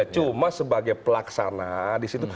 cuma sebagai pelaksanaan disitu